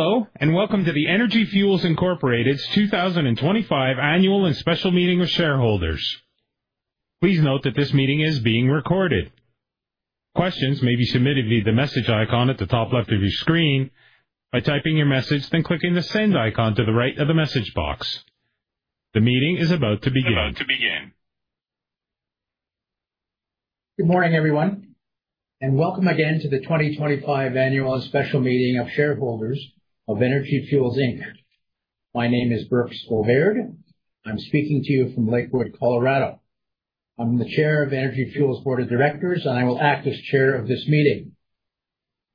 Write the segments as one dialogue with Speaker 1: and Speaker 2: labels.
Speaker 1: Hello, and welcome to the Energy Fuels Incorporated's 2025 Annual and Special Meeting of Shareholders. Please note that this meeting is being recorded. Questions may be submitted via the message icon at the top left of your screen by typing your message, then clicking the send icon to the right of the message box. The meeting is about to begin.
Speaker 2: Good morning, everyone, and welcome again to the 2025 Annual and Special Meeting of Shareholders of Energy Fuels, Inc. My name is J. Birks Bovaird. I'm speaking to you from Lakewood, Colorado. I'm the Chair of Energy Fuels Board of Directors, and I will act as Chair of this meeting.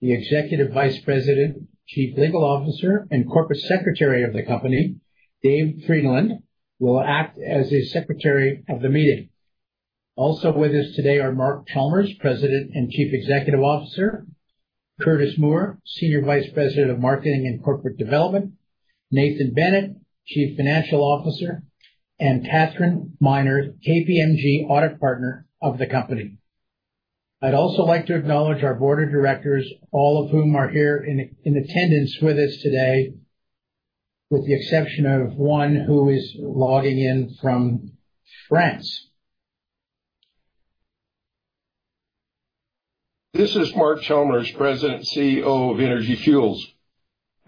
Speaker 2: The Executive Vice President, Chief Legal Officer, and Corporate Secretary of the company, David Frydenlund, will act as the secretary of the meeting. Also with us today are Mark Chalmers, President and Chief Executive Officer, Curtis Moore, Senior Vice President of Marketing and Corporate Development, Nathan Bennett, Chief Financial Officer, and Katherine Miner, KPMG Audit Partner of the company. I'd also like to acknowledge our board of directors, all of whom are here in attendance with us today, with the exception of one who is logging in from France.
Speaker 3: This is Mark Chalmers, President and CEO of Energy Fuels.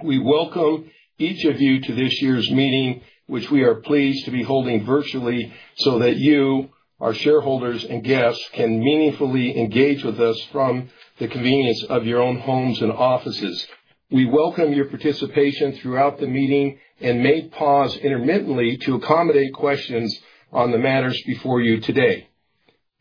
Speaker 3: We welcome each of you to this year's meeting, which we are pleased to be holding virtually so that you, our shareholders and guests, can meaningfully engage with us from the convenience of your own homes and offices. We welcome your participation throughout the meeting and may pause intermittently to accommodate questions on the matters before you today.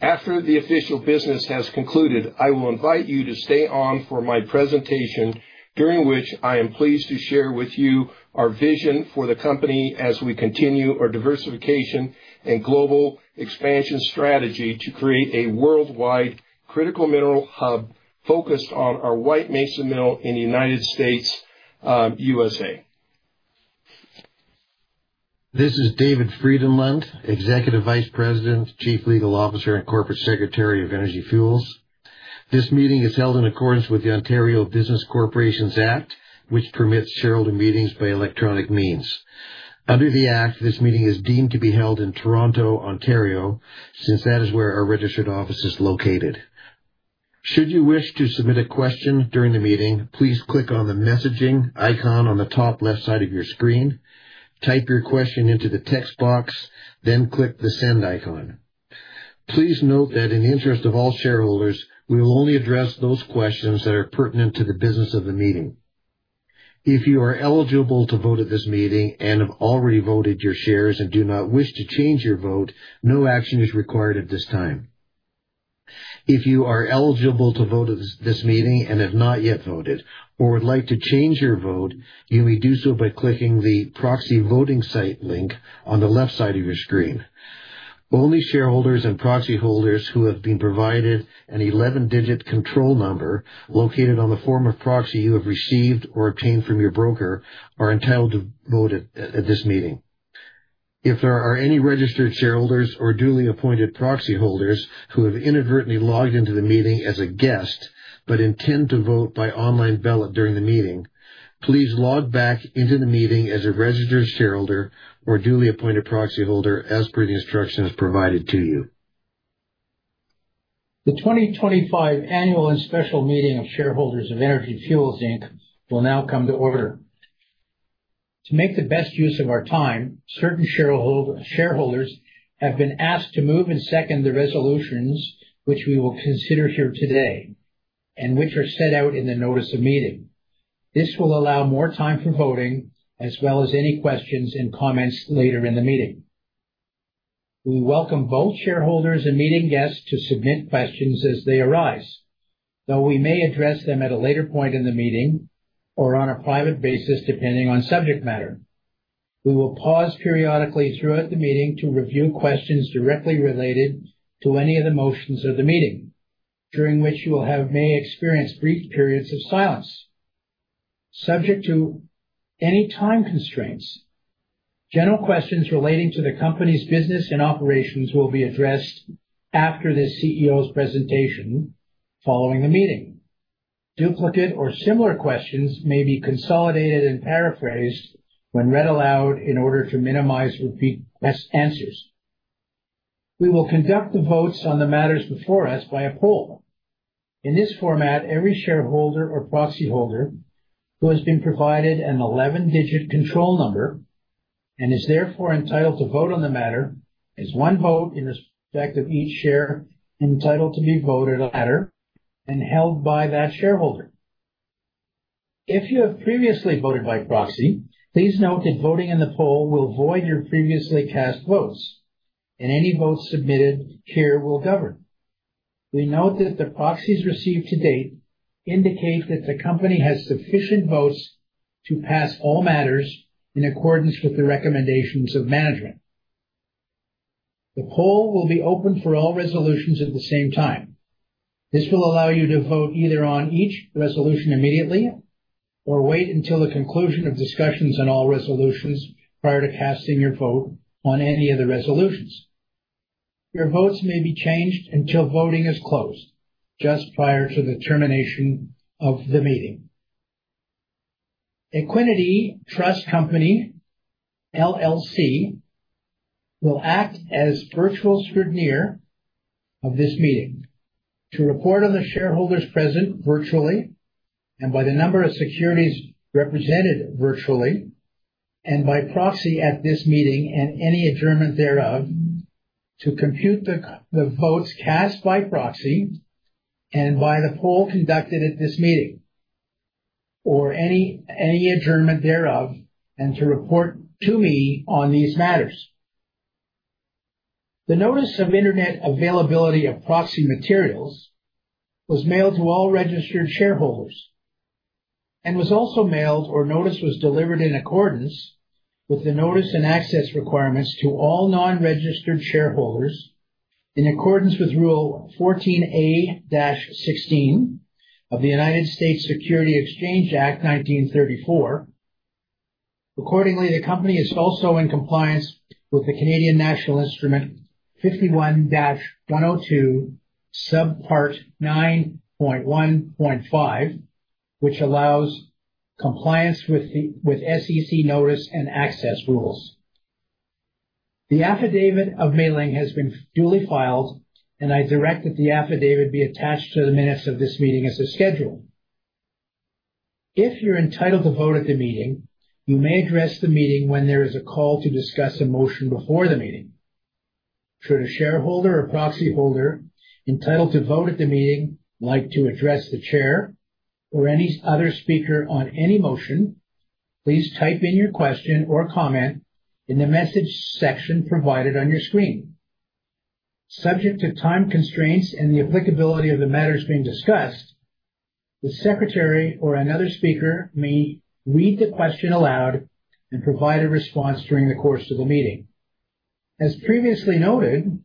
Speaker 3: After the official business has concluded, I will invite you to stay on for my presentation, during which I am pleased to share with you our vision for the company as we continue our diversification and global expansion strategy to create a worldwide critical mineral hub focused on our White Mesa Mill in the United States, USA.
Speaker 2: This is David Frydenlund, Executive Vice President, Chief Legal Officer, and Corporate Secretary of Energy Fuels. This meeting is held in accordance with the Ontario Business Corporations Act, which permits shareholder meetings by electronic means. Under the Act, this meeting is deemed to be held in Toronto, Ontario, since that is where our registered office is located. Should you wish to submit a question during the meeting, please click on the messaging icon on the top left side of your screen, type your question into the text box, then click the send icon. Please note that in the interest of all shareholders, we will only address those questions that are pertinent to the business of the meeting. If you are eligible to vote at this meeting and have already voted your shares and do not wish to change your vote, no action is required at this time. If you are eligible to vote at this meeting and have not yet voted or would like to change your vote, you may do so by clicking the proxy voting site link on the left side of your screen. Only shareholders and proxy holders who have been provided an 11-digit control number located on the form of proxy you have received or obtained from your broker are entitled to vote at this meeting. If there are any registered shareholders or duly appointed proxy holders who have inadvertently logged into the meeting as a guest but intend to vote by online ballot during the meeting, please log back into the meeting as a registered shareholder or duly appointed proxy holder, as per the instructions provided to you. The 2025 Annual and Special Meeting of Shareholders of Energy Fuels Inc. will now come to order. To make the best use of our time, certain shareholder, shareholders have been asked to move and second the resolutions which we will consider here today and which are set out in the notice of meeting. This will allow more time for voting as well as any questions and comments later in the meeting. We welcome both shareholders and meeting guests to submit questions as they arise, though we may address them at a later point in the meeting or on a private basis, depending on subject matter. We will pause periodically throughout the meeting to review questions directly related to any of the motions of the meeting, during which you will have, may experience brief periods of silence. Subject to any time constraints, general questions relating to the company's business and operations will be addressed after the CEO's presentation following the meeting. Duplicate or similar questions may be consolidated and paraphrased when read aloud in order to minimize repeat question-answers. We will conduct the votes on the matters before us by a poll. In this format, every shareholder or proxy holder who has been provided an 11-digit control number and is therefore entitled to vote on the matter is one vote in respect of each share entitled to be voted on the matter and held by that shareholder. If you have previously voted by proxy, please note that voting in the poll will void your previously cast votes, and any votes submitted here will govern. We note that the proxies received to date indicate that the company has sufficient votes to pass all matters in accordance with the recommendations of management. The poll will be open for all resolutions at the same time. This will allow you to vote either on each resolution immediately or wait until the conclusion of discussions on all resolutions prior to casting your vote on any of the resolutions. Your votes may be changed until voting is closed, just prior to the termination of the meeting. Equiniti Trust Company, LLC, will act as virtual scrutineer of this meeting to report on the shareholders present virtually and by the number of securities represented virtually and by proxy at this meeting and any adjournment thereof, to compute the votes cast by proxy and by the poll conducted at this meeting, or any adjournment thereof, and to report to me on these matters. The notice of Internet availability of proxy materials was mailed to all registered shareholders and was also mailed, or notice was delivered in accordance with the notice and access requirements to all non-registered shareholders in accordance with Rule 14a-16 of the United States Securities Exchange Act of 1934. Accordingly, the company is also in compliance with the Canadian National Instrument 51-102, subpart 9.1.5, which allows compliance with the SEC notice and access rules. The Affidavit of Mailing has been duly filed, and I direct that the affidavit be attached to the minutes of this meeting as a schedule. If you're entitled to vote at the meeting, you may address the meeting when there is a call to discuss a motion before the meeting. Should a shareholder or proxy holder entitled to vote at the meeting like to address the chair or any other speaker on any motion, please type in your question or comment in the message section provided on your screen. Subject to time constraints and the applicability of the matters being discussed, the secretary or another speaker may read the question aloud and provide a response during the course of the meeting. As previously noted,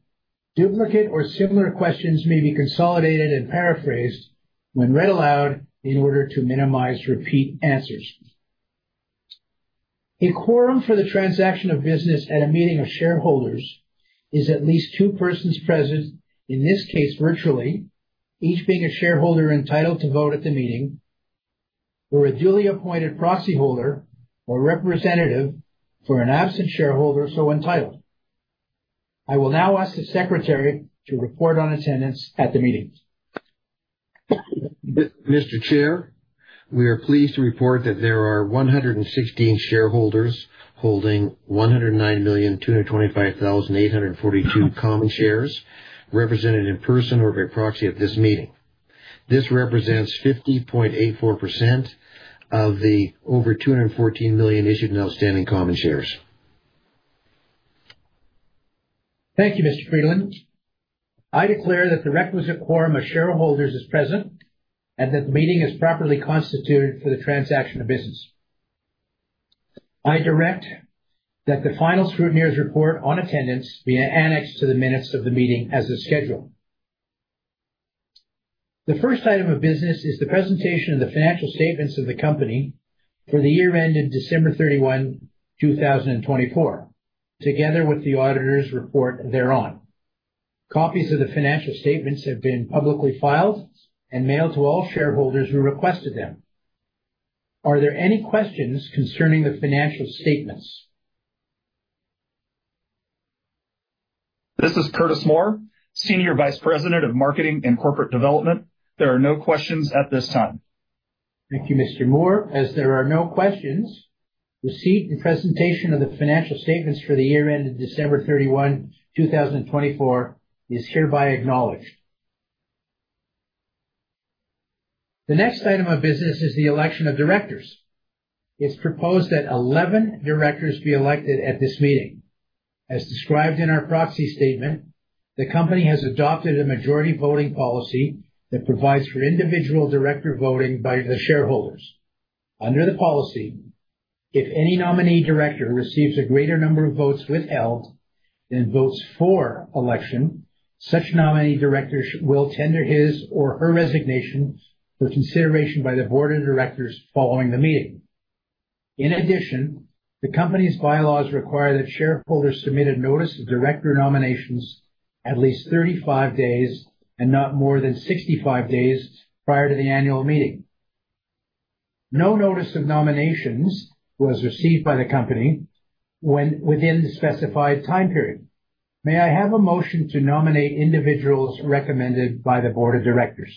Speaker 2: duplicate or similar questions may be consolidated and paraphrased when read aloud in order to minimize repeat answers. A quorum for the transaction of business at a meeting of shareholders is at least two persons present, in this case, virtually, each being a shareholder entitled to vote at the meeting, or a duly appointed proxy holder or representative for an absent shareholder so entitled. I will now ask the secretary to report on attendance at the meeting.
Speaker 4: Mr. Chair, we are pleased to report that there are 116 shareholders holding 109,225,842 common shares represented in person or via proxy at this meeting. This represents 50.84% of the over 214 million issued and outstanding common shares.
Speaker 2: Thank you, Mr. Frydenlund. I declare that the requisite quorum of shareholders is present and that the meeting is properly constituted for the transaction of business. I direct that the final scrutineer's report on attendance be annexed to the minutes of the meeting as a schedule. The first item of business is the presentation of the financial statements of the company for the year ended December 31, 2024, together with the auditor's report thereon. Copies of the financial statements have been publicly filed and mailed to all shareholders who requested them. Are there any questions concerning the financial statements?
Speaker 5: This is Curtis Moore, Senior Vice President of Marketing and Corporate Development. There are no questions at this time.
Speaker 2: Thank you, Mr. Moore. As there are no questions, receipt and presentation of the financial statements for the year end of December 31, 2024, is hereby acknowledged. The next item of business is the election of directors. It's proposed that 11 directors be elected at this meeting. As described in our proxy statement, the company has adopted a majority voting policy that provides for individual director voting by the shareholders. Under the policy, if any nominee director receives a greater number of votes withheld than votes for election, such nominee director will tender his or her resignation for consideration by the board of directors following the meeting. In addition, the company's bylaws require that shareholders submit a notice of director nominations at least 35 days and not more than 65 days prior to the annual meeting. No notice of nominations was received by the company within the specified time period. May I have a motion to nominate individuals recommended by the board of directors?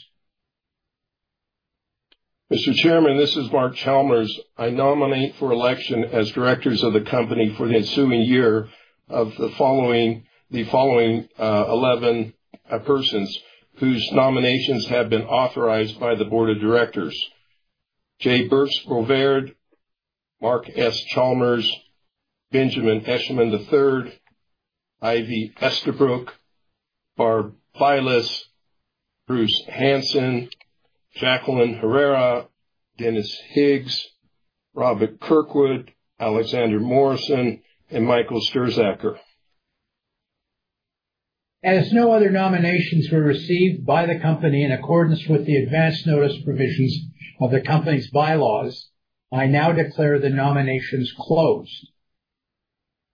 Speaker 3: Mr. Chairman, this is Mark Chalmers. I nominate for election as directors of the company for the ensuing year the following 11 persons whose nominations have been authorized by the board of directors: J. Birks Bovaird, Mark S. Chalmers, Benjamin Eshleman III, Ivy Estabrooke, Barbara Filas, Bruce Hansen, Jacqueline Herrera, Dennis Higgs, Robert Kirkwood, Alexander Morrison, and Michael Stirzaker.
Speaker 2: As no other nominations were received by the company in accordance with the advance notice provisions of the company's bylaws, I now declare the nominations closed.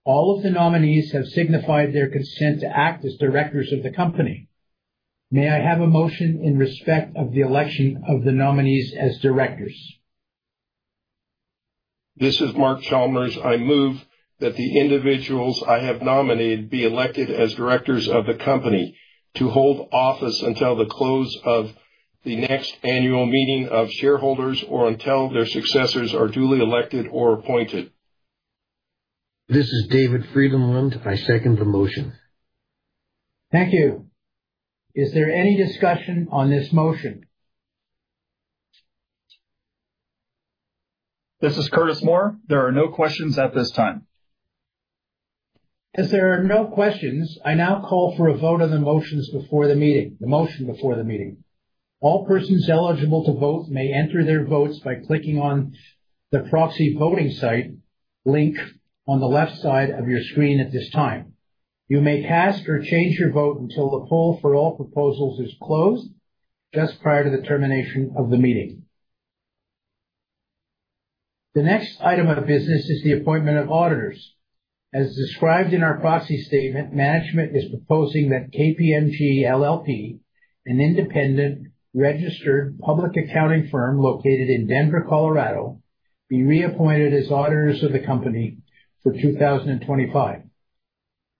Speaker 2: All of the nominees have signified their consent to act as directors of the company. May I have a motion in respect of the election of the nominees as directors?
Speaker 3: This is Mark Chalmers. I move that the individuals I have nominated be elected as directors of the company to hold office until the close of the next annual meeting of shareholders or until their successors are duly elected or appointed.
Speaker 6: This is David Frydenlund. I second the motion.
Speaker 2: Thank you. Is there any discussion on this motion?
Speaker 5: This is Curtis Moore. There are no questions at this time.
Speaker 2: As there are no questions, I now call for a vote on the motions before the meeting, the motion before the meeting. All persons eligible to vote may enter their votes by clicking on the proxy voting site link on the left side of your screen at this time. You may cast or change your vote until the poll for all proposals is closed just prior to the termination of the meeting. The next item of business is the appointment of auditors. As described in our proxy statement, management is proposing that KPMG LLP, an independent registered public accounting firm located in Denver, Colorado, be reappointed as auditors of the company for 2025.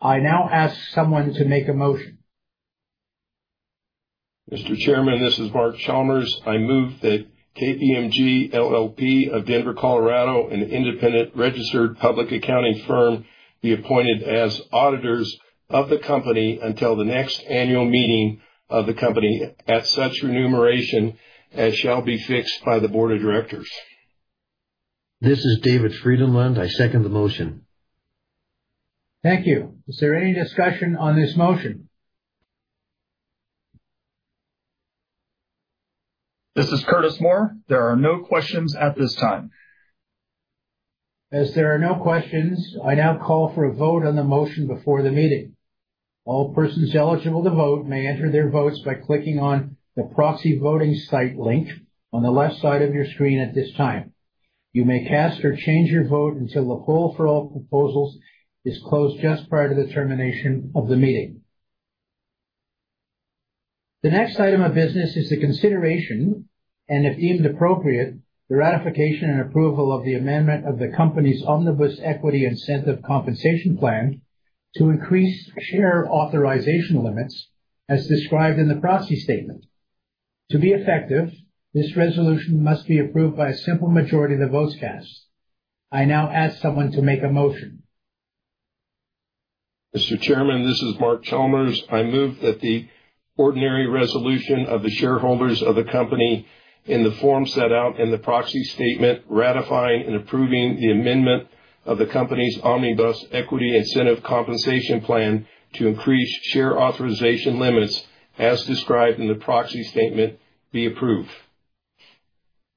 Speaker 2: I now ask someone to make a motion.
Speaker 3: Mr. Chairman, this is Mark Chalmers. I move that KPMG LLP of Denver, Colorado, an independent registered public accounting firm, be appointed as auditors of the company until the next annual meeting of the company, at such remuneration as shall be fixed by the board of directors.
Speaker 6: This is David Frydenlund. I second the motion.
Speaker 2: Thank you. Is there any discussion on this motion?
Speaker 5: This is Curtis Moore. There are no questions at this time.
Speaker 2: As there are no questions, I now call for a vote on the motion before the meeting. All persons eligible to vote may enter their votes by clicking on the proxy voting site link on the left side of your screen at this time. You may cast or change your vote until the poll for all proposals is closed just prior to the termination of the meeting. The next item of business is the consideration and, if deemed appropriate, the ratification and approval of the amendment of the company's Omnibus Equity Incentive Compensation Plan to increase share authorization limits, as described in the proxy statement. To be effective, this resolution must be approved by a simple majority of the votes cast. I now ask someone to make a motion.
Speaker 3: Mr. Chairman, this is Mark Chalmers. I move that the ordinary resolution of the shareholders of the company, in the form set out in the proxy statement, ratifying and approving the amendment of the company's Omnibus Equity Incentive Compensation Plan to increase share authorization limits, as described in the proxy statement, be approved.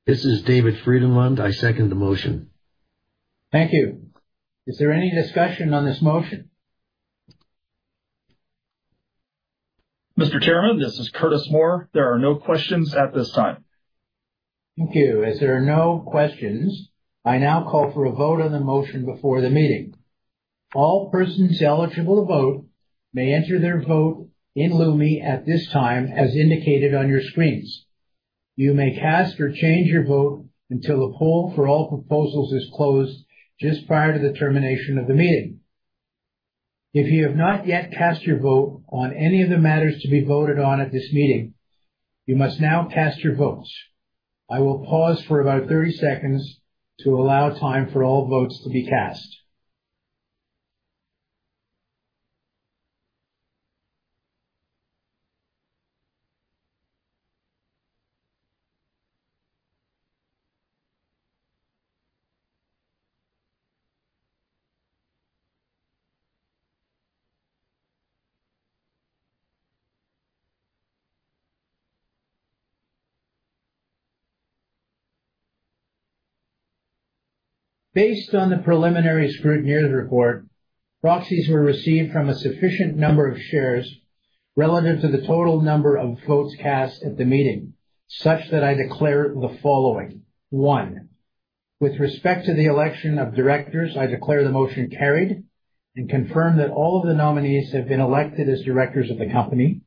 Speaker 6: This is David Frydenlund. I second the motion.
Speaker 2: Thank you. Is there any discussion on this motion?
Speaker 5: Mr. Chairman, this is Curtis Moore. There are no questions at this time.
Speaker 2: Thank you. As there are no questions, I now call for a vote on the motion before the meeting. All persons eligible to vote may enter their vote in Lumi at this time, as indicated on your screens. You may cast or change your vote until the poll for all proposals is closed just prior to the termination of the meeting. If you have not yet cast your vote on any of the matters to be voted on at this meeting, you must now cast your votes. I will pause for about 30 seconds to allow time for all votes to be cast. Based on the preliminary scrutineers report, proxies were received from a sufficient number of shares relative to the total number of votes cast at the meeting, such that I declare the following: 1, with respect to the election of directors, I declare the motion carried and confirm that all of the nominees have been elected as directors of the company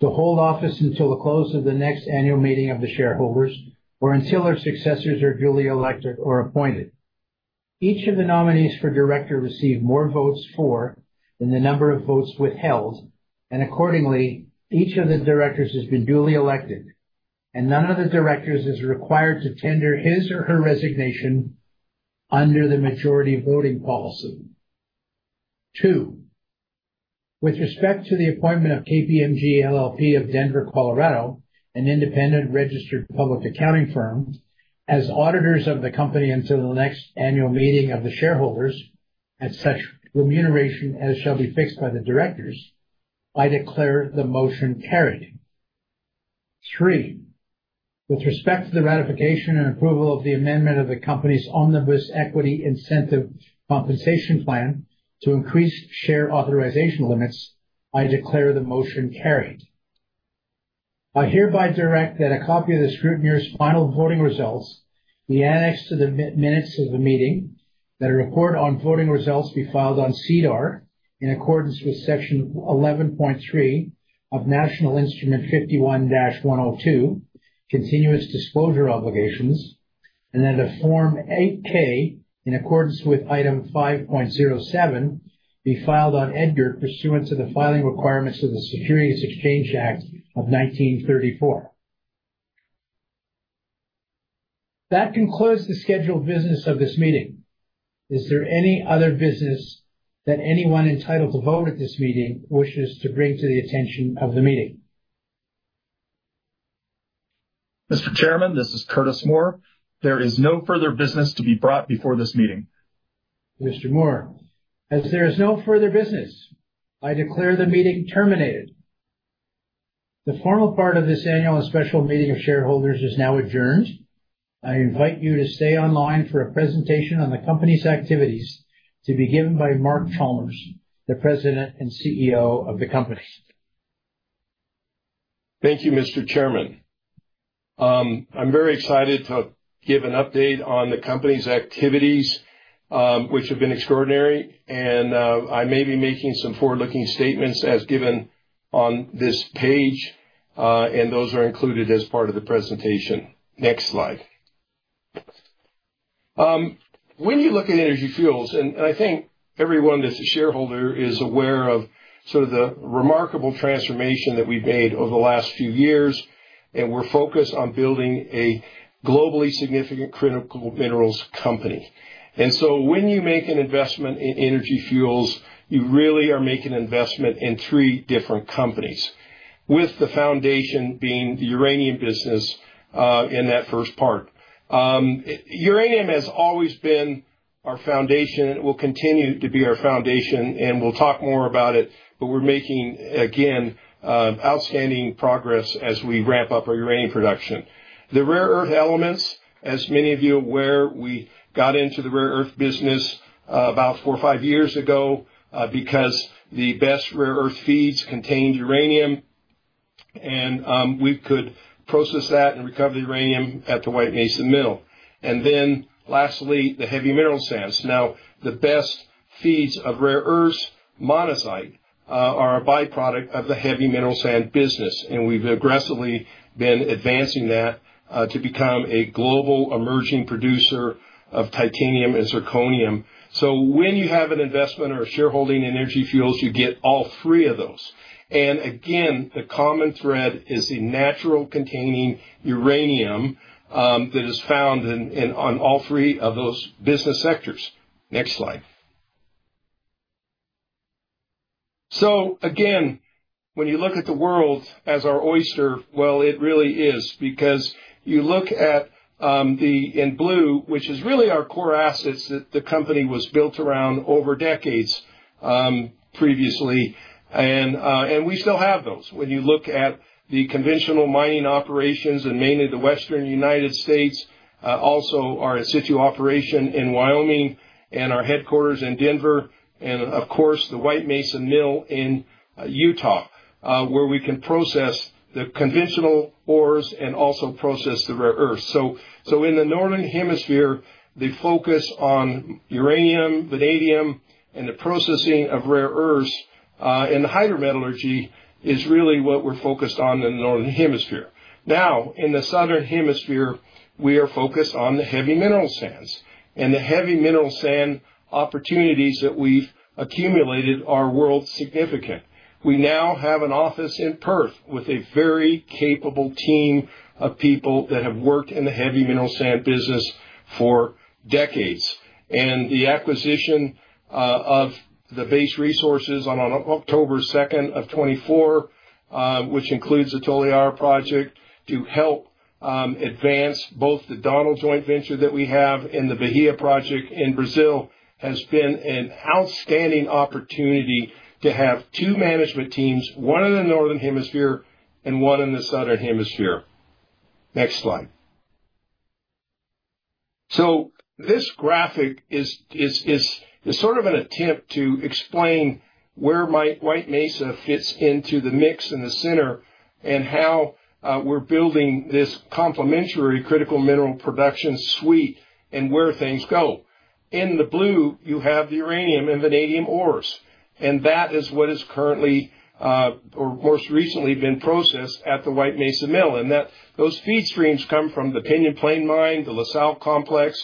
Speaker 2: to hold office until the close of the next annual meeting of the shareholders or until their successors are duly elected or appointed. Each of the nominees for director received more votes for than the number of votes withheld, and accordingly, each of the directors has been duly elected and none of the directors is required to tender his or her resignation under the majority voting policy. Two, with respect to the appointment of KPMG LLP of Denver, Colorado, an independent registered public accounting firm, as auditors of the company until the next annual meeting of the shareholders at such remuneration as shall be fixed by the directors, I declare the motion carried. Three, with respect to the ratification and approval of the amendment of the company's Omnibus Equity Incentive Compensation Plan to increase share authorization limits, I declare the motion carried. I hereby direct that a copy of the scrutineer's final voting results be annexed to the minutes of the meeting, that a report on voting results be filed on SEDAR in accordance with Section 11.3 of National Instrument 51-102, continuous disclosure obligations, and that a Form 8-K, in accordance with Item 5.07, be filed on EDGAR pursuant to the filing requirements of the Securities Exchange Act of 1934. That concludes the scheduled business of this meeting. Is there any other business that anyone entitled to vote at this meeting wishes to bring to the attention of the meeting?
Speaker 5: Mr. Chairman, this is Curtis Moore. There is no further business to be brought before this meeting.
Speaker 2: Mr. Moore, as there is no further business, I declare the meeting terminated. The formal part of this annual and special meeting of shareholders is now adjourned. I invite you to stay online for a presentation on the company's activities to be given by Mark Chalmers, the President and CEO of the company.
Speaker 3: Thank you, Mr. Chairman. I'm very excited to give an update on the company's activities, which have been extraordinary, and, I may be making some forward-looking statements as given on this page, and those are included as part of the presentation. Next slide. When you look at Energy Fuels, I think everyone that's a shareholder is aware of sort of the remarkable transformation that we've made over the last few years, and we're focused on building a globally significant critical minerals company. And so when you make an investment in Energy Fuels, you really are making an investment in three different companies, with the foundation being the uranium business, in that first part. Uranium has always been our foundation, and it will continue to be our foundation, and we'll talk more about it, but we're making, again, outstanding progress as we ramp up our uranium production. The rare earth elements, as many of you are aware, we got into the rare earth business about four or five years ago because the best rare earth feeds contained uranium, and we could process that and recover the uranium at the White Mesa Mill. And then lastly, the heavy mineral sands. Now, the best feeds of rare earths, monazite, are a byproduct of the heavy mineral sand business, and we've aggressively been advancing that to become a global emerging producer of titanium and zirconium. So when you have an investment or a shareholding in Energy Fuels, you get all three of those. And again, the common thread is the natural containing uranium that is found in, on all three of those business sectors. Next slide. So again, when you look at the world as our oyster, well, it really is, because you look at the in blue, which is really our core assets that the company was built around over decades, previously, and, and we still have those. When you look at the conventional mining operations and mainly the Western United States, also our in situ operation in Wyoming and our headquarters in Denver, and of course, the White Mesa Mill in Utah, where we can process the conventional ores and also process the rare earths. So in the Northern Hemisphere, the focus on uranium, vanadium, and the processing of rare earths and hydrometallurgy is really what we're focused on in the Northern Hemisphere. Now, in the Southern Hemisphere, we are focused on the heavy mineral sands, and the heavy mineral sand opportunities that we've accumulated are world significant. We now have an office in Perth with a very capable team of people that have worked in the heavy mineral sand business for decades. And the acquisition of the Base Resources on October second of 2024, which includes the Toliara project, to help advance both the Donald joint venture that we have and the Bahia project in Brazil, has been an outstanding opportunity to have two management teams, one in the Northern Hemisphere and one in the Southern Hemisphere. Next slide. So this graphic is sort of an attempt to explain where the White Mesa Mill fits into the mix in the center and how we're building this complementary critical mineral production suite and where things go. In the blue, you have the uranium and vanadium ores, and that is what is currently or most recently been processed at the White Mesa Mill. And that, those feed streams come from the Pinyon Plain Mine, the La Sal Complex,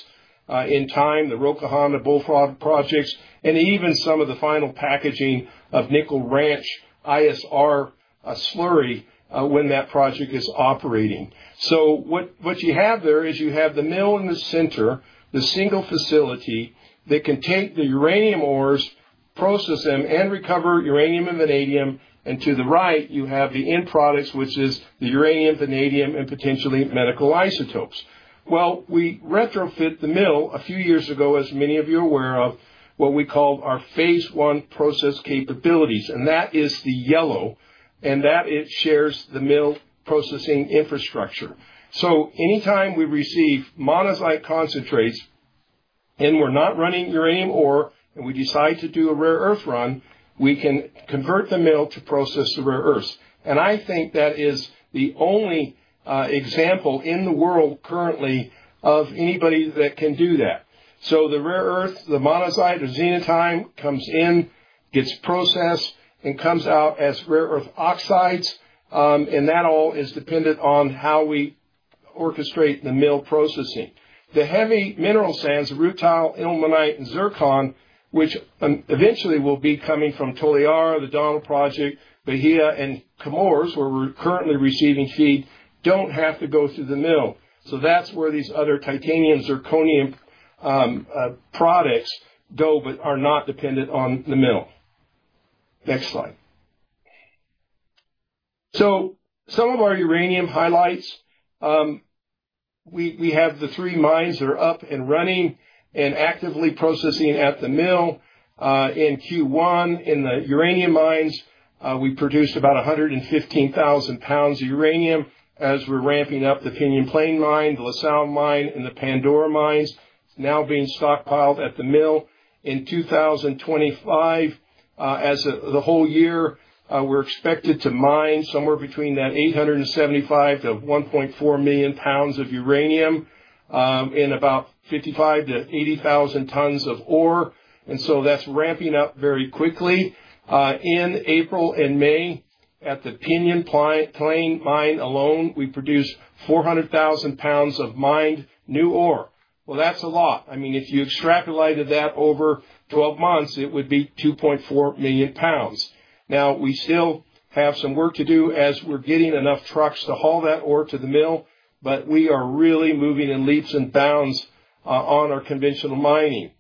Speaker 3: in time, the Roca Honda Bullfrog projects, and even some of the final packaging of Nichols Ranch ISR slurry when that project is operating. So what you have there is you have the mill in the center, the single facility that can take the uranium ores, process them, and recover uranium and vanadium. To the right, you have the end products, which is the uranium, vanadium, and potentially medical isotopes. Well, we retrofit the mill a few years ago, as many of you are aware of, what we call our phase one process capabilities, and that is the yellow, and that it shares the mill processing infrastructure. So anytime we receive monazite concentrates and we're not running uranium ore, and we decide to do a rare earth run, we can convert the mill to process the rare earths. And I think that is the only example in the world currently of anybody that can do that. So the rare earth, the monazite, the xenotime, comes in, gets processed, and comes out as rare earth oxides. And that all is dependent on how we orchestrate the mill processing. The heavy mineral sands, rutile, ilmenite, and zircon, which eventually will be coming from Toliara, the Donald Project, Bahia, and Comores, where we're currently receiving feed, don't have to go through the mill. So that's where these other titanium, zirconium, products go, but are not dependent on the mill. Next slide. So some of our uranium highlights. We, we have the three mines that are up and running and actively processing at the mill. In Q1, in the uranium mines, we produced about 115,000 pounds of uranium as we're ramping up the Pinyon Plain Mine, the La Sal mine, and the Pandora Mine, now being stockpiled at the mill. In 2025, the whole year, we're expected to mine somewhere between that 875-1.4 million pounds of uranium, in about 55,000-80,000 tons of ore, and so that's ramping up very quickly. In April and May, at the Pinyon Plain Mine alone, we produced 400,000 pounds of mined new ore. Well, that's a lot. I mean, if you extrapolated that over 12 months, it would be 2.4 million pounds. Now, we still have some work to do as we're getting enough trucks to haul that ore to the mill, but we are really moving in leaps and bounds, on our conventional mining.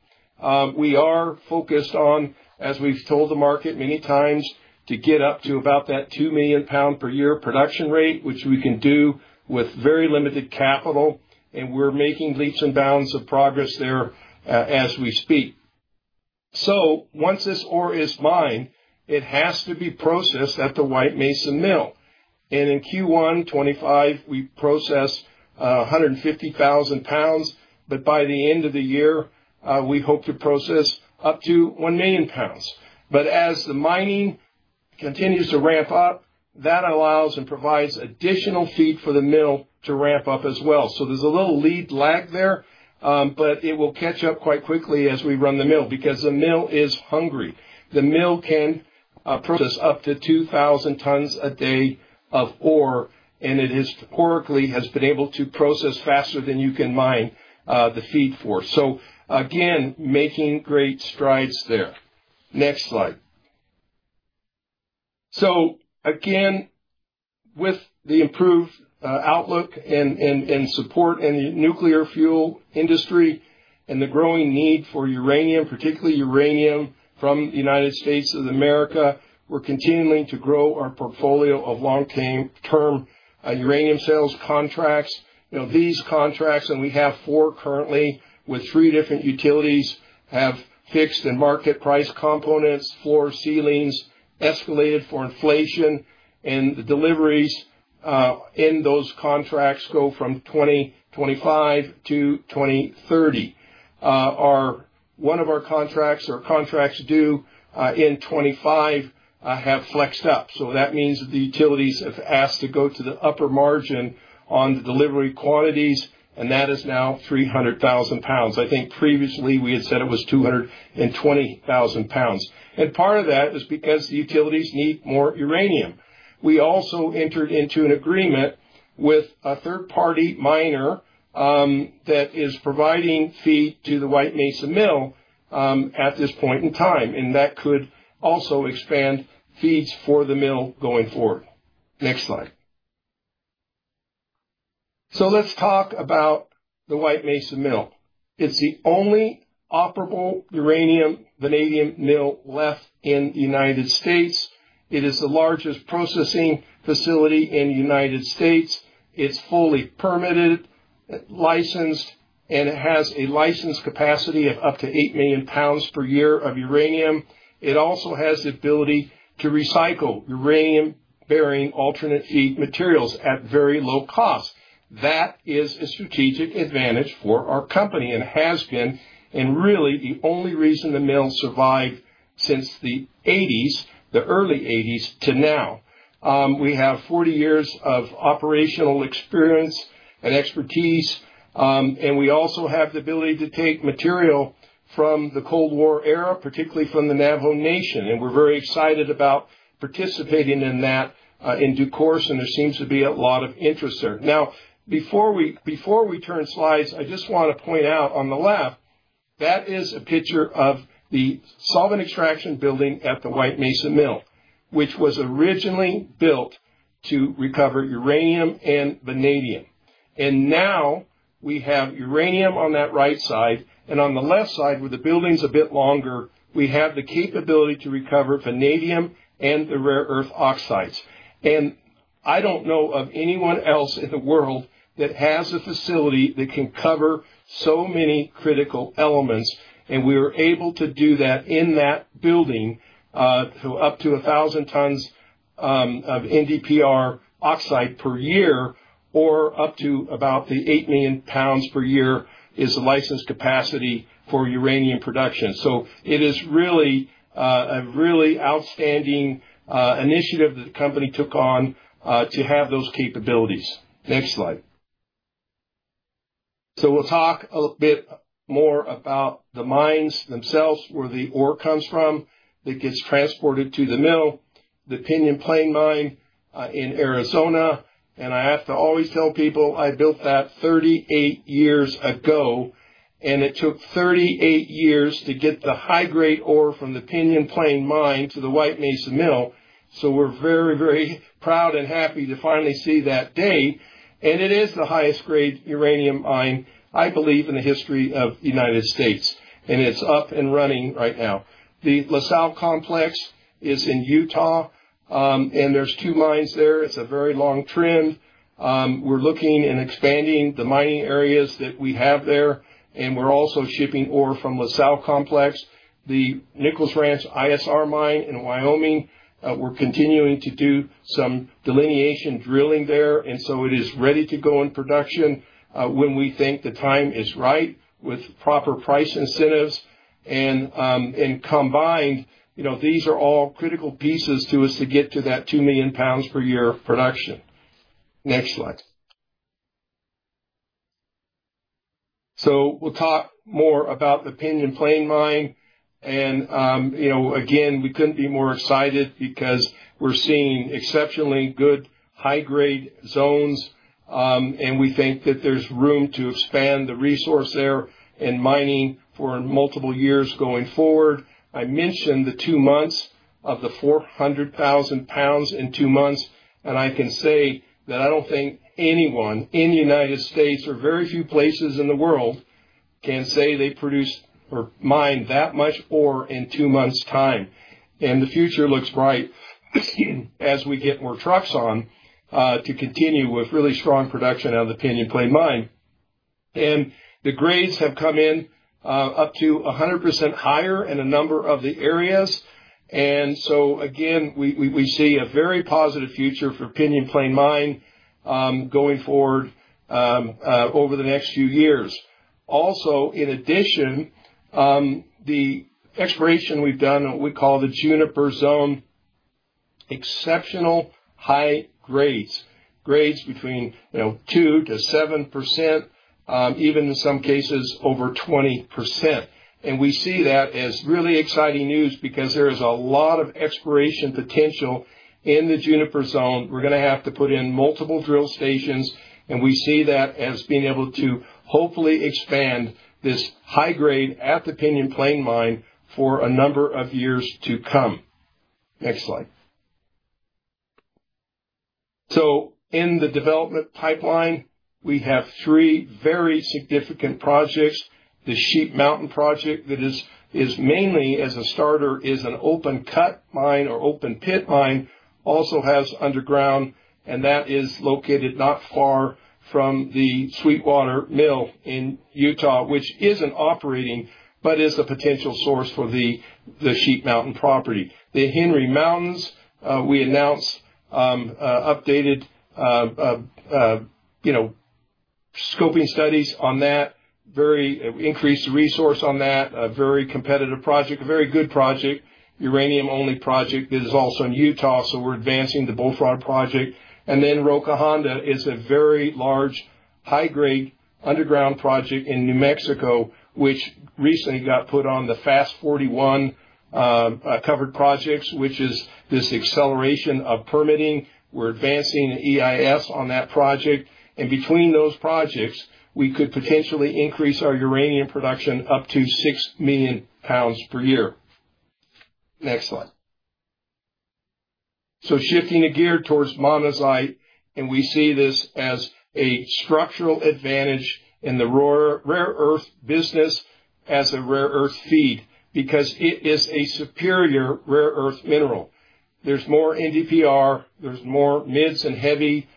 Speaker 3: We are focused on, as we've told the market many times, to get up to about that 2 million pound per year production rate, which we can do with very limited capital, and we're making leaps and bounds of progress there, as we speak. So once this ore is mined, it has to be processed at the White Mesa Mill. And in Q1 2025, we processed, a 150,000 pounds, but by the end of the year, we hope to process up to 1 million pounds. But as the mining continues to ramp up, that allows and provides additional feed for the mill to ramp up as well. So there's a little lead lag there, but it will catch up quite quickly as we run the mill, because the mill is hungry. The mill can process up to 2,000 tons a day of ore, and it historically has been able to process faster than you can mine the feed for. So again, making great strides there. Next slide. So again, with the improved outlook and support in the nuclear fuel industry and the growing need for uranium, particularly uranium from the United States of America, we're continuing to grow our portfolio of long-term uranium sales contracts. You know, these contracts, and we have four currently with three different utilities, have fixed and market price components, floor ceilings, escalated for inflation, and the deliveries in those contracts go from 2025 to 2030. One of our contracts, our contracts due in 2025, have flexed up. So that means the utilities have asked to go to the upper margin on the delivery quantities, and that is now 300,000 pounds. I think previously we had said it was 220,000 pounds. And part of that is because the utilities need more uranium. We also entered into an agreement with a third-party miner that is providing feed to the White Mesa Mill at this point in time, and that could also expand feeds for the mill going forward. Next slide. So let's talk about the White Mesa Mill. It's the only operable uranium, vanadium mill left in the United States. It is the largest processing facility in the United States. It's fully permitted, licensed, and it has a licensed capacity of up to 8 million pounds per year of uranium. It also has the ability to recycle uranium-bearing alternate feed materials at very low cost. That is a strategic advantage for our company and has been, and really the only reason the mill survived since the 1980s, the early 1980s, to now. We have 40 years of operational experience and expertise, and we also have the ability to take material from the Cold War era, particularly from the Navajo Nation, and we're very excited about participating in that, in due course, and there seems to be a lot of interest there. Now, before we, before we turn slides, I just want to point out on the left, that is a picture of the solvent extraction building at the White Mesa Mill, which was originally built to recover uranium and vanadium. And now we have uranium on that right side, and on the left side, where the building's a bit longer, we have the capability to recover vanadium and the rare earth oxides. And I don't know of anyone else in the world that has a facility that can cover so many critical elements, and we were able to do that in that building, through up to 1,000 tons of NdPr oxide per year, or up to about 8 million pounds per year, is the licensed capacity for uranium production. So it is really, a really outstanding, initiative that the company took on, to have those capabilities. Next slide. So we'll talk a bit more about the mines themselves, where the ore comes from, that gets transported to the mill, the Pinyon Plain Mine, in Arizona. I have to always tell people I built that 38 years ago, and it took 38 years to get the high-grade ore from the Pinyon Plain Mine to the White Mesa Mill. We're very, very proud and happy to finally see that day. It is the highest grade uranium mine, I believe, in the history of the United States, and it's up and running right now. The La Sal Complex is in Utah, and there's two mines there. It's a very long trend. We're looking and expanding the mining areas that we have there, and we're also shipping ore from La Sal Complex, the Nichols Ranch ISR mine in Wyoming. We're continuing to do some delineation drilling there, and so it is ready to go in production, when we think the time is right, with proper price incentives. Combined, you know, these are all critical pieces to us to get to that 2 million pounds per year of production. Next slide. So we'll talk more about the Pinyon Plain Mine. You know, again, we couldn't be more excited because we're seeing exceptionally good high-grade zones, and we think that there's room to expand the resource there and mining for multiple years going forward. I mentioned the two months of the 400,000 pounds in two months, and I can say that I don't think anyone in the United States, or very few places in the world, can say they produce or mine that much ore in two months' time. The future looks bright as we get more trucks on, to continue with really strong production out of the Pinyon Plain Mine. The grades have come in up to 100% higher in a number of the areas. So again, we, we, we see a very positive future for Pinyon Plain Mine going forward over the next few years. Also, in addition, the exploration we've done, what we call the Juniper Zone, exceptional high grades. Grades between, you know, 2%-7%, even in some cases over 20%. And we see that as really exciting news because there is a lot of exploration potential in the Juniper Zone. We're gonna have to put in multiple drill stations, and we see that as being able to hopefully expand this high grade at the Pinyon Plain Mine for a number of years to come. Next slide. So in the development pipeline, we have three very significant projects. The Sheep Mountain Project that is mainly as a starter is an open cut mine or open pit mine, also has underground, and that is located not far from the Sweetwater Mill in Utah, which isn't operating, but is a potential source for the Sheep Mountain property. The Henry Mountains, we announced, you know, scoping studies on that, very increased resource on that, a very competitive project, a very good project, uranium-only project. It is also in Utah, so we're advancing the Bullfrog Project. And then Roca Honda is a very large, high-grade underground project in New Mexico, which recently got put on the Fast Forty-One covered projects, which is this acceleration of permitting. We're advancing an EIS on that project, and between those projects, we could potentially increase our uranium production up to 6 million pounds per year. Next slide. So shifting the gear towards monazite, and we see this as a structural advantage in the rare earth business as a rare earth feed, because it is a superior rare earth mineral. There's more NDPR, there's more mids and heavy oxides,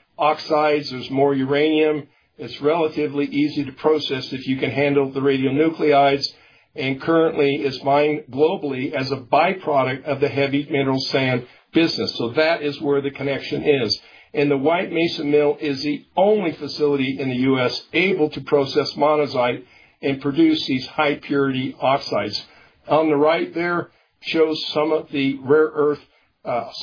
Speaker 3: there's more uranium. It's relatively easy to process if you can handle the radionuclides, and currently is mined globally as a byproduct of the heavy mineral sand business. So that is where the connection is. The White Mesa Mill is the only facility in the U.S. able to process monazite and produce these high purity oxides. On the right there, shows some of the rare earth,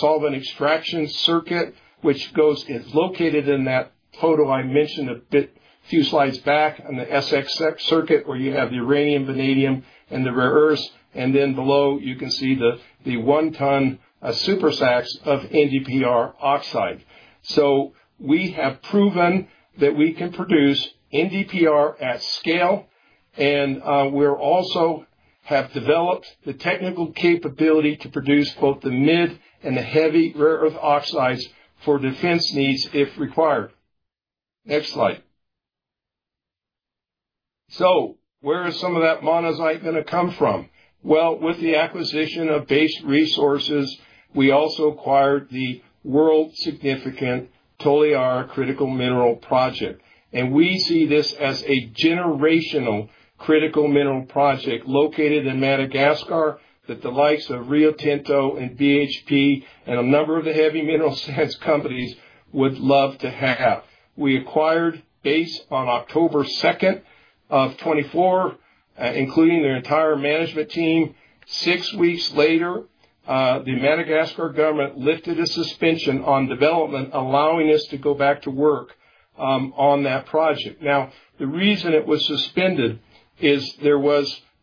Speaker 3: solvent extraction circuit, which goes, it's located in that photo I mentioned a bit, few slides back on the SX circuit, where you have the uranium, vanadium, and the rare earths. And then below, you can see the 1 ton super sacks of NdPr oxide. So we have proven that we can produce NdPr at scale, and we're also have developed the technical capability to produce both the mid and the heavy rare earth oxides for defense needs if required. Next slide. So where is some of that monazite going to come from? Well, with the acquisition of Base Resources, we also acquired the world significant Toliara Critical Mineral Project, and we see this as a generational critical mineral project located in Madagascar, that the likes of Rio Tinto and BHP and a number of the heavy mineral sands companies would love to have. We acquired Base on October 2, 2024, including their entire management team. Six weeks later, the Madagascar government lifted a suspension on development, allowing us to go back to work, on that project. Now, the reason it was suspended is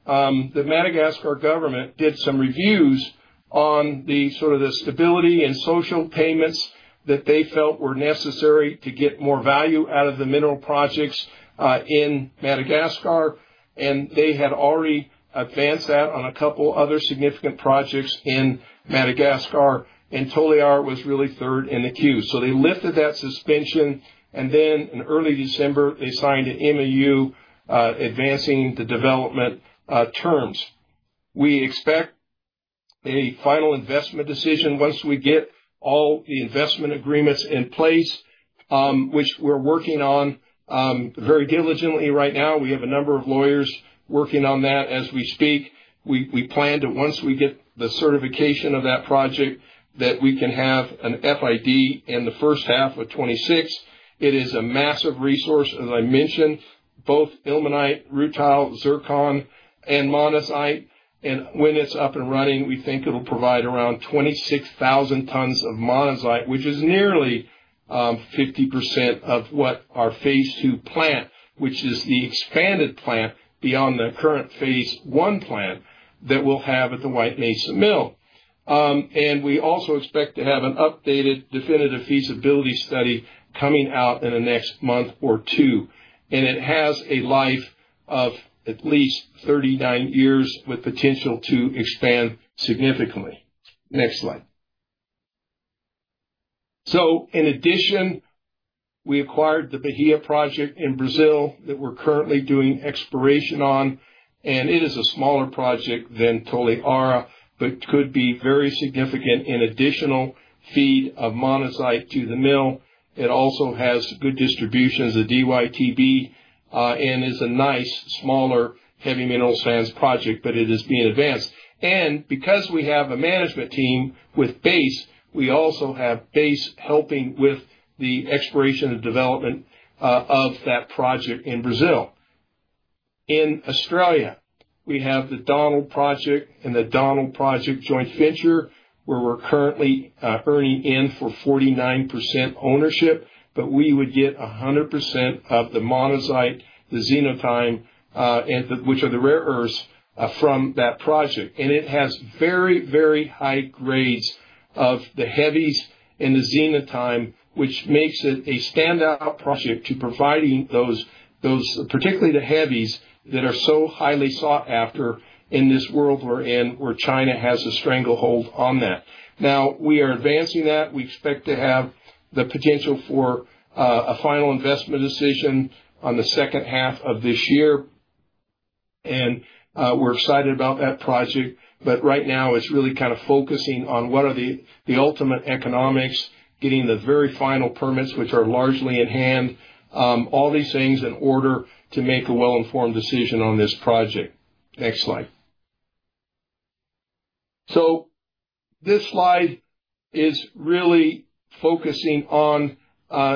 Speaker 3: the Madagascar government did some reviews on the sort of the stability and social payments that they felt were necessary to get more value out of the mineral projects, in Madagascar, and they had already advanced that on a couple other significant projects in Madagascar, and Toliara was really third in the queue. So they lifted that suspension, and then in early December, they signed an MOU, advancing the development, terms. We expect a final investment decision once we get all the investment agreements in place, which we're working on, very diligently right now. We have a number of lawyers working on that as we speak. We plan to, once we get the certification of that project, that we can have an FID in the first half of 2026. It is a massive resource, as I mentioned, both ilmenite, rutile, zircon, and monazite. And when it's up and running, we think it'll provide around 26,000 tons of monazite, which is nearly 50% of what our Phase Two plant, which is the expanded plant beyond the current Phase One plant, that we'll have at the White Mesa Mill. And we also expect to have an updated definitive feasibility study coming out in the next month or two, and it has a life of at least 39 years with potential to expand significantly. Next slide. So in addition, we acquired the Bahia Project in Brazil that we're currently doing exploration on, and it is a smaller project than Toliara, but could be very significant in additional feed of monazite to the mill. It also has good distribution as a DYTB and is a nice, smaller heavy mineral sands project, but it is being advanced. And because we have a management team with Base, we also have Base helping with the exploration and development of that project in Brazil. In Australia, we have the Donald Project and the Donald Project Joint Venture, where we're currently earning in for 49% ownership, but we would get 100% of the monazite, the xenotime, and the, which are the rare earths from that project. And it has very, very high grades of the heavies and the xenotime, which makes it a standout project to providing those, those, particularly the heavies, that are so highly sought after in this world we're in, where China has a stranglehold on that. Now, we are advancing that. We expect to have the potential for a final investment decision on the second half of this year. And, we're excited about that project, but right now it's really kind of focusing on what are the, the ultimate economics, getting the very final permits, which are largely in hand, all these things in order to make a well-informed decision on this project. Next slide. So this slide is really focusing on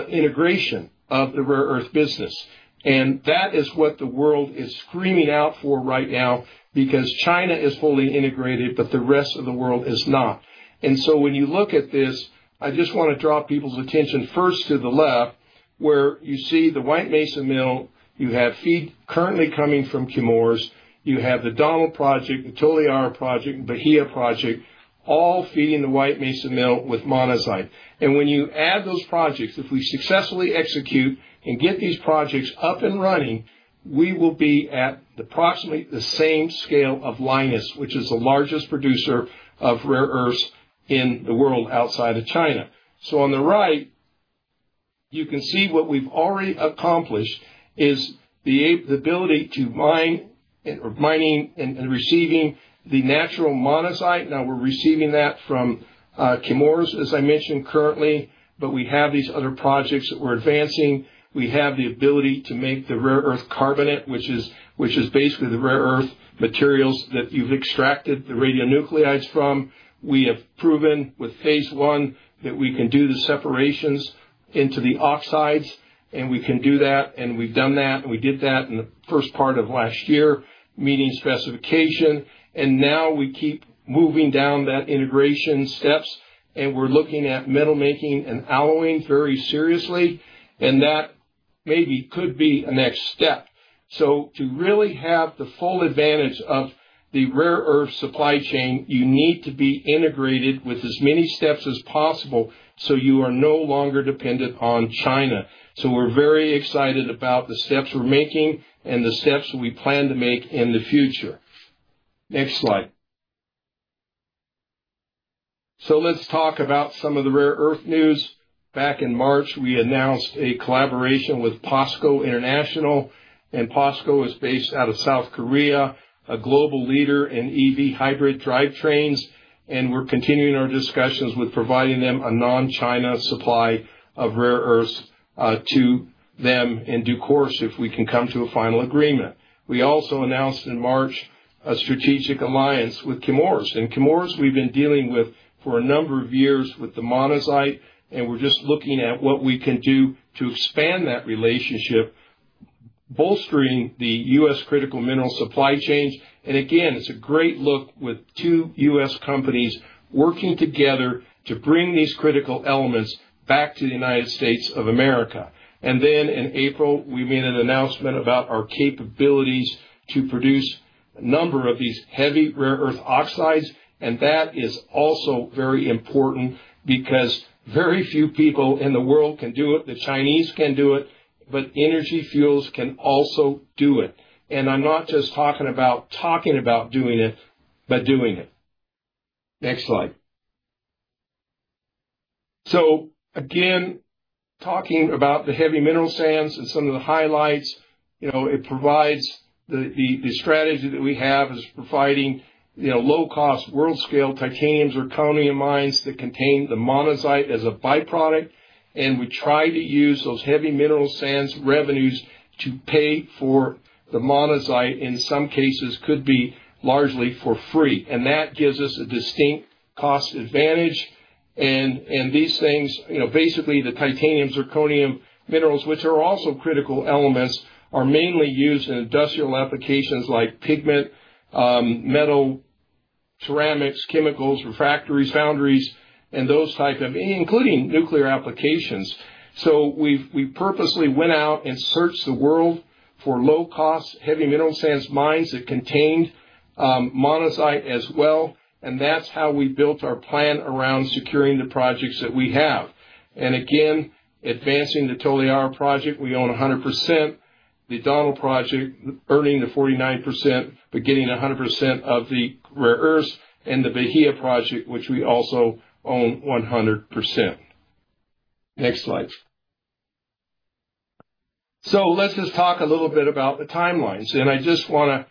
Speaker 3: integration of the rare earth business, and that is what the world is screaming out for right now, because China is fully integrated, but the rest of the world is not. And so when you look at this, I just want to draw people's attention first to the left, where you see the White Mesa Mill. You have feed currently coming from Chemours. You have the Donald Project, the Toliara Project, Bahia Project, all feeding the White Mesa Mill with monazite. And when you add those projects, if we successfully execute and get these projects up and running, we will be at approximately the same scale of Lynas, which is the largest producer of rare earths in the world outside of China. So on the right, you can see what we've already accomplished is the ability to mine, or mining and receiving the natural monazite. Now, we're receiving that from Chemours, as I mentioned currently, but we have these other projects that we're advancing. We have the ability to make the rare earth carbonate, which is basically the rare earth materials that you've extracted the radionuclides from. We have proven with Phase One that we can do the separations into the oxides, and we can do that, and we've done that, and we did that in the first part of last year, meeting specification. And now we keep moving down that integration steps, and we're looking at metal making and alloying very seriously, and that maybe could be a next step. So to really have the full advantage of the rare earth supply chain, you need to be integrated with as many steps as possible, so you are no longer dependent on China. So we're very excited about the steps we're making and the steps we plan to make in the future. Next slide.... So let's talk about some of the rare earth news. Back in March, we announced a collaboration with POSCO International, and POSCO is based out of South Korea, a global leader in EV hybrid drivetrains, and we're continuing our discussions with providing them a non-China supply of rare earths, to them in due course if we can come to a final agreement. We also announced in March a strategic alliance with Chemours. And Chemours we've been dealing with for a number of years with the monazite, and we're just looking at what we can do to expand that relationship, bolstering the U.S. critical mineral supply chains. And again, it's a great look with two U.S. companies working together to bring these critical elements back to the United States of America. And then in April, we made an announcement about our capabilities to produce a number of these heavy rare earth oxides, and that is also very important because very few people in the world can do it. The Chinese can do it, but Energy Fuels can also do it. And I'm not just talking about talking about doing it, but doing it. Next slide. So again, talking about the heavy mineral sands and some of the highlights, you know, it provides the strategy that we have is providing, you know, low-cost, world-scale titanium, zirconium mines that contain the monazite as a byproduct, and we try to use those heavy mineral sands revenues to pay for the monazite, in some cases could be largely for free, and that gives us a distinct cost advantage. And these things, you know, basically, the titanium, zirconium minerals, which are also critical elements, are mainly used in industrial applications like pigment, metal, ceramics, chemicals, refractories, foundries, and those types of including nuclear applications. So we purposely went out and searched the world for low-cost, heavy mineral sands mines that contained monazite as well, and that's how we built our plan around securing the projects that we have. And again, advancing the Toliara Project, we own 100%, the Donald Project, earning the 49%, but getting 100% of the rare earths, and the Bahia Project, which we also own 100%. Next slide. So let's just talk a little bit about the timelines, and I just wanna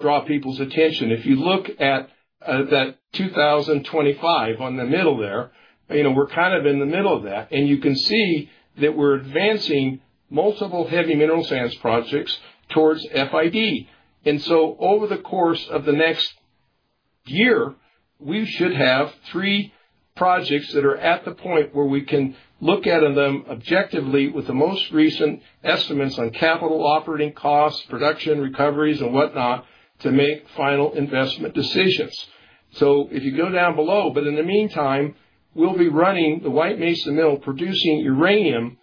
Speaker 3: draw people's attention. If you look at that 2025 on the middle there, you know, we're kind of in the middle of that, and you can see that we're advancing multiple heavy mineral sands projects towards FID. And so over the course of the next year, we should have 3 projects that are at the point where we can look at them objectively with the most recent estimates on capital, operating costs, production, recoveries, and whatnot, to make final investment decisions. So if you go down below, but in the meantime, we'll be running the White Mesa Mill, producing uranium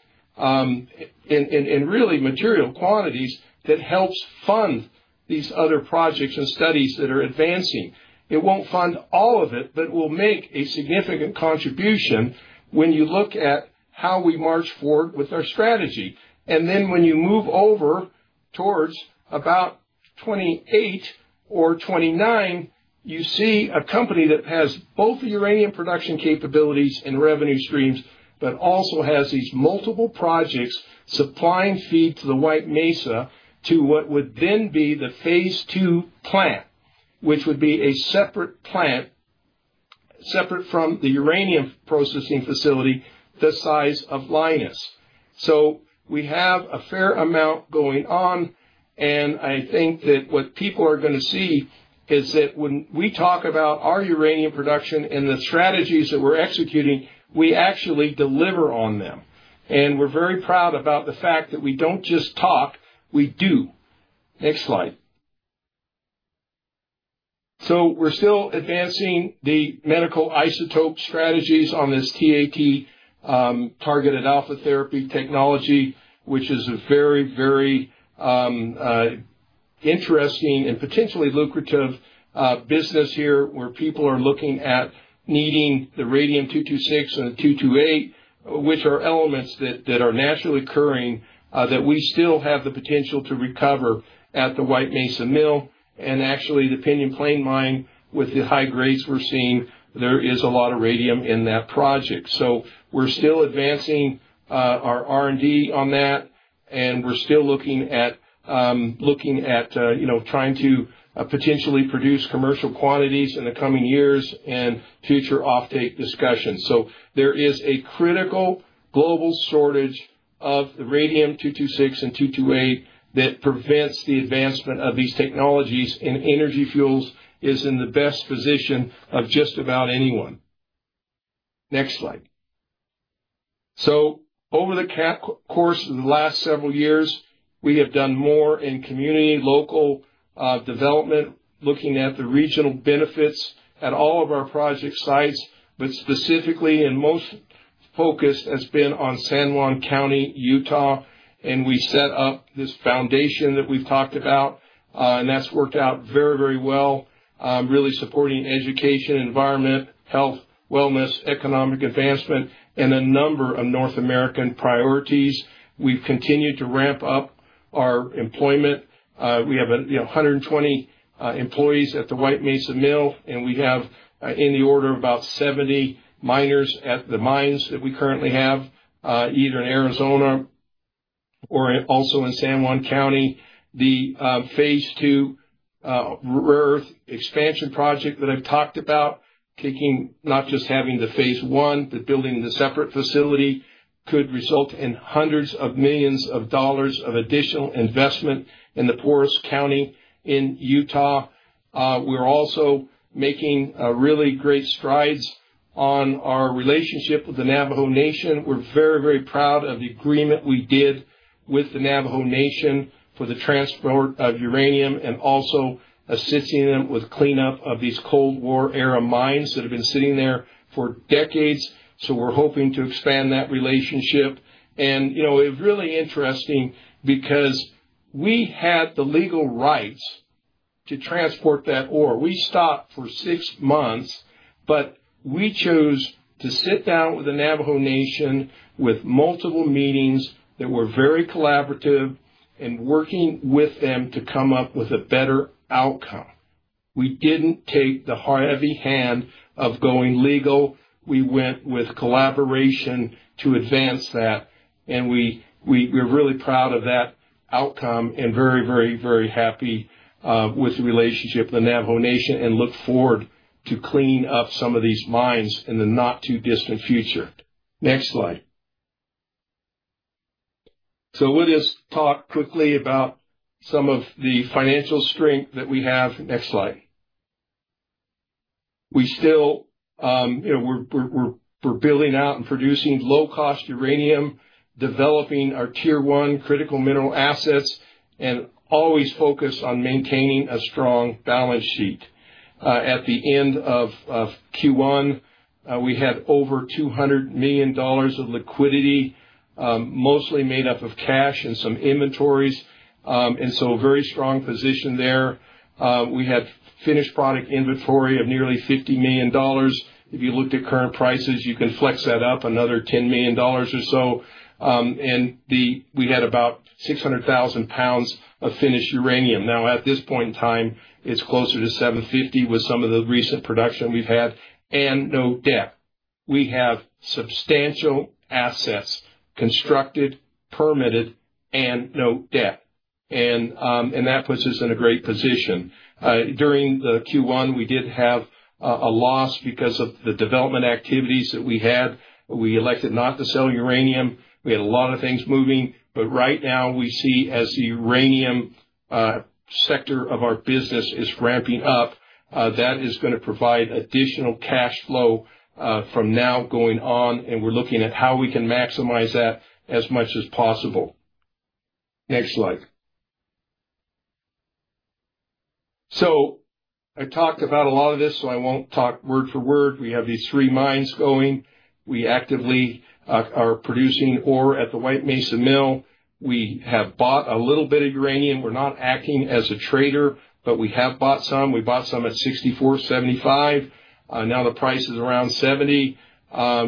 Speaker 3: in really material quantities that helps fund these other projects and studies that are advancing. It won't fund all of it, but it will make a significant contribution when you look at how we march forward with our strategy. And then when you move over towards about 2028 or 2029, you see a company that has both the uranium production capabilities and revenue streams, but also has these multiple projects supplying feed to the White Mesa to what would then be the phase two plant, which would be a separate plant, separate from the uranium processing facility, the size of Lynas. So we have a fair amount going on, and I think that what people are gonna see is that when we talk about our uranium production and the strategies that we're executing, we actually deliver on them. And we're very proud about the fact that we don't just talk, we do. Next slide. So we're still advancing the medical isotope strategies on this TAT, targeted alpha therapy technology, which is a very, very interesting and potentially lucrative business here, where people are looking at needing the radium-226 and the 228, which are elements that are naturally occurring, that we still have the potential to recover at the White Mesa Mill. And actually, the Pinyon Plain Mine, with the high grades we're seeing, there is a lot of radium in that project. So we're still advancing our R&D on that, and we're still looking at, looking at, you know, trying to potentially produce commercial quantities in the coming years and future offtake discussions. So there is a critical global shortage of the Radium-226 and Radium-228 that prevents the advancement of these technologies, and Energy Fuels is in the best position of just about anyone. Next slide. So over the course of the last several years, we have done more in community, local development, looking at the regional benefits at all of our project sites, but specifically and most focus has been on San Juan County, Utah, and we set up this foundation that we've talked about, and that's worked out very, very well, really supporting education, environment, health, wellness, economic advancement, and a number of North American priorities. We've continued to ramp up our employment, we have, you know, 120 employees at the White Mesa Mill, and we have, in the order of about 70 miners at the mines that we currently have, either in Arizona or also in San Juan County. The phase two rare earth expansion project that I've talked about, taking not just having the phase one, but building the separate facility, could result in hundreds of millions of dollars of additional investment in the poorest county in Utah. We're also making really great strides on our relationship with the Navajo Nation. We're very, very proud of the agreement we did with the Navajo Nation for the transport of uranium and also assisting them with cleanup of these Cold War-era mines that have been sitting there for decades. So we're hoping to expand that relationship. And, you know, it's really interesting because we had the legal rights to transport that ore. We stopped for six months, but we chose to sit down with the Navajo Nation, with multiple meetings that were very collaborative and working with them to come up with a better outcome. We didn't take the heavy hand of going legal. We went with collaboration to advance that, and we're really proud of that outcome and very, very, very happy with the relationship of the Navajo Nation and look forward to clean up some of these mines in the not-too-distant future. Next slide. So we'll just talk quickly about some of the financial strength that we have. Next slide. We still, you know, we're building out and producing low-cost uranium, developing our Tier 1 critical mineral assets, and always focused on maintaining a strong balance sheet. At the end of Q1, we had over $200 million of liquidity, mostly made up of cash and some inventories. And so a very strong position there. We had finished product inventory of nearly $50 million. If you looked at current prices, you can flex that up another $10 million or so. We had about 600,000 pounds of finished uranium. Now, at this point in time, it's closer to 750,000 with some of the recent production we've had, and no debt. We have substantial assets constructed, permitted, and no debt. And that puts us in a great position. During the Q1, we did have a loss because of the development activities that we had. We elected not to sell uranium. We had a lot of things moving, but right now, we see as the uranium sector of our business is ramping up, that is gonna provide additional cash flow from now going on, and we're looking at how we can maximize that as much as possible. Next slide. So I talked about a lot of this, so I won't talk word for word. We have these three mines going. We actively are producing ore at the White Mesa Mill. We have bought a little bit of uranium. We're not acting as a trader, but we have bought some. We bought some at $64.75. Now the price is around $70.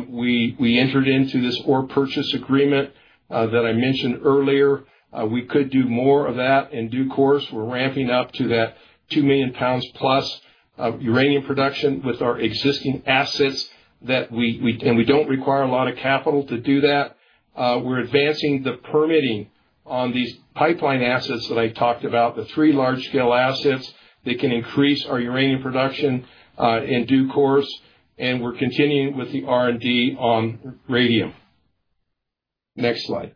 Speaker 3: We entered into this ore purchase agreement that I mentioned earlier. We could do more of that in due course. We're ramping up to that 2 million pounds plus of uranium production with our existing assets that we and we don't require a lot of capital to do that. We're advancing the permitting on these pipeline assets that I talked about, the three large-scale assets that can increase our uranium production in due course, and we're continuing with the R&D on radium. Next slide.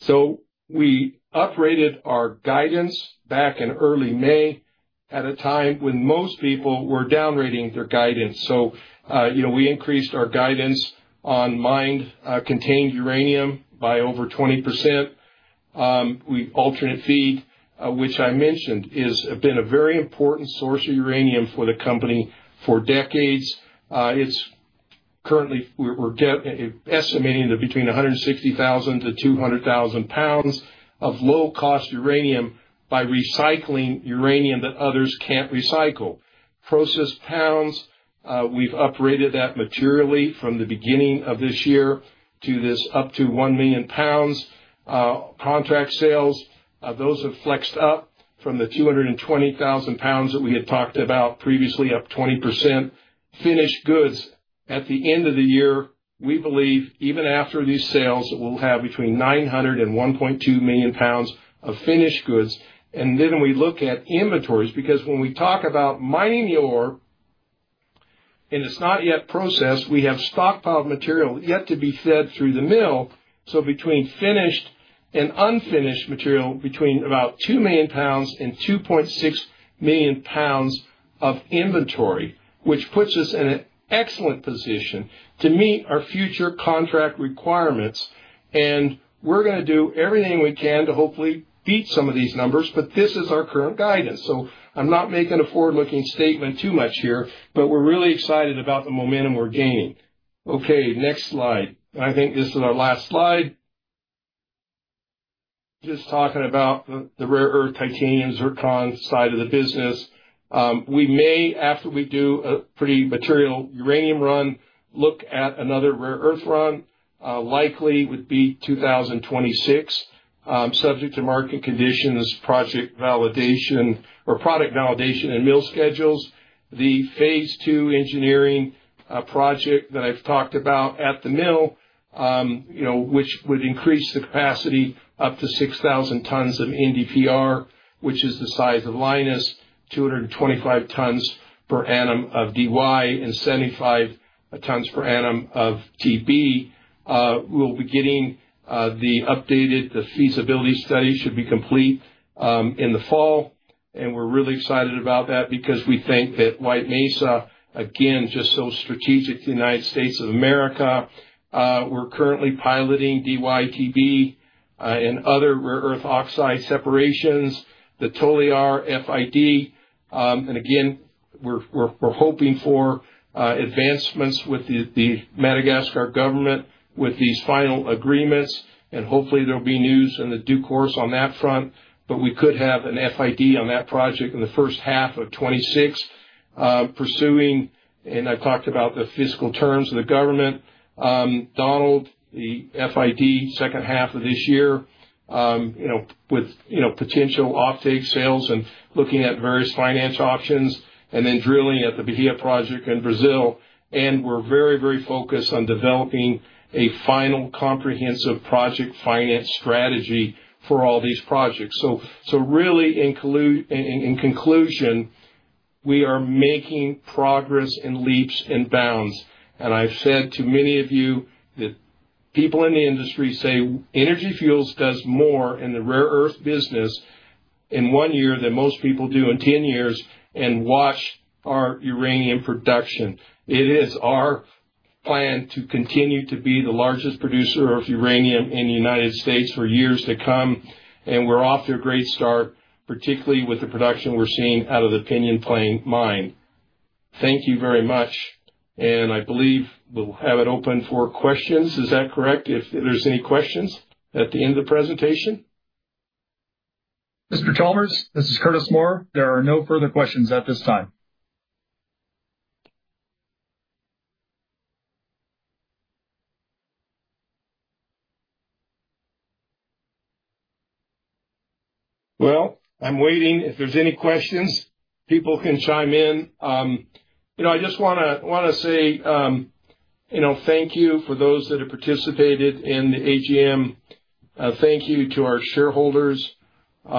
Speaker 3: So we uprated our guidance back in early May at a time when most people were downrating their guidance. So, you know, we increased our guidance on mine contained uranium by over 20%. We alternate feed, which I mentioned, is been a very important source of uranium for the company for decades. It's currently, we're estimating that between 160,000 to 200,000 pounds of low-cost uranium by recycling uranium that others can't recycle. Processed pounds, we've uprated that materially from the beginning of this year to up to 1,000,000 pounds. Contract sales, those have flexed up from the 220,000 pounds that we had talked about previously, up 20%. Finished goods, at the end of the year, we believe, even after these sales, we'll have between 900,000 and 1.2 million pounds of finished goods. Then we look at inventories, because when we talk about mining the ore, and it's not yet processed, we have stockpiled material yet to be fed through the mill. Between finished and unfinished material, between about 2 million pounds and 2.6 million pounds of inventory, which puts us in an excellent position to meet our future contract requirements. We're gonna do everything we can to hopefully beat some of these numbers, but this is our current guidance. I'm not making a forward-looking statement too much here, but we're really excited about the momentum we're gaining. Okay, next slide. I think this is our last slide. Just talking about the rare earth titanium zircon side of the business. We may, after we do a pretty material uranium run, look at another rare earth run, likely would be 2026, subject to market conditions, project validation or product validation and mill schedules. The phase two engineering project that I've talked about at the mill, you know, which would increase the capacity up to 6,000 tons of NdPr, which is the size of Lynas, 225 tons per annum of Dy, and 75 tons per annum of Tb. We'll be getting the updated feasibility study, which should be complete in the fall, and we're really excited about that because we think that White Mesa, again, just so strategic to the United States of America. We're currently piloting DyTb and other rare earth oxide separations, the Toliara FID. And again, we're hoping for advancements with the Madagascar government with these final agreements, and hopefully there'll be news in due course on that front. But we could have an FID on that project in the first half of 2026. Pursuing, and I've talked about the fiscal terms of the government, Donald, the FID second half of this year, you know, with, you know, potential offtake sales and looking at various finance options, and then drilling at the Bahia Project in Brazil. And we're very, very focused on developing a final comprehensive project finance strategy for all these projects. In conclusion, we are making progress in leaps and bounds. And I've said to many of you that people in the industry say Energy Fuels does more in the rare earth business in one year than most people do in ten years, and watch our uranium production. It is our plan to continue to be the largest producer of uranium in the United States for years to come, and we're off to a great start, particularly with the production we're seeing out of the Pinyon Plain Mine. Thank you very much, and I believe we'll have it open for questions. Is that correct? If there's any questions at the end of the presentation.
Speaker 5: Mr. Chalmers, this is Curtis Moore. There are no further questions at this time.
Speaker 3: Well, I'm waiting. If there's any questions, people can chime in. You know, I just wanna say, you know, thank you for those that have participated in the AGM. Thank you to our shareholders. You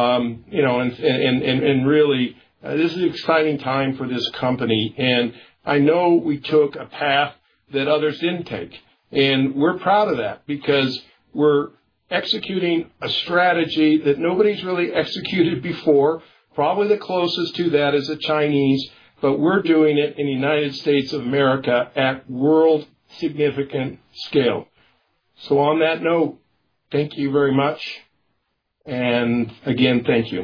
Speaker 3: know, and really, this is an exciting time for this company, and I know we took a path that others didn't take. And we're proud of that because we're executing a strategy that nobody's really executed before. Probably the closest to that is the Chinese, but we're doing it in the United States of America at world significant scale. So on that note, thank you very much, and again, thank you.